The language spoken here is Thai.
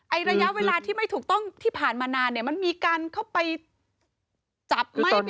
ระยะเวลาที่ไม่ถูกต้องที่ผ่านมานานเนี่ยมันมีการเข้าไปจับไหม